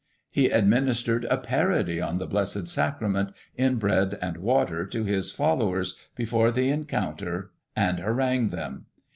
He administered a parody on the blessed Sacrament, in bread and water to his followers, before the encoimter and hararigued them.